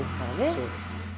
そうですね。